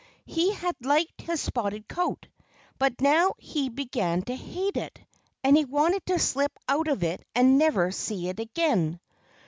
He had liked his spotted coat. But now he began to hate it. And he wanted to slip out of it and never see it again.